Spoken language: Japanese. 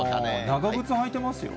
長靴履いてますよ。